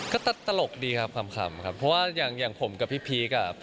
ก็ตลกดีครับขำครับเพราะว่าอย่างผมกับพี่พีคอ่ะ